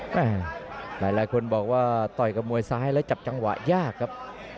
หลายคนบอกว่าต่อยกับมวยซ้ายแล้วจับจังหวะยากครับ